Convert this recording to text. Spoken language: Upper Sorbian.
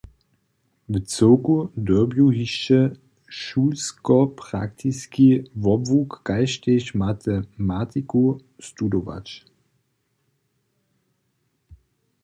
W cyłku dyrbju hišće šulskopraktiski wobłuk kaž tež matematiku studować.